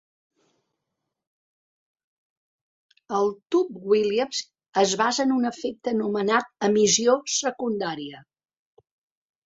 El tub Williams es basa en un efecte anomenat emissió secundària.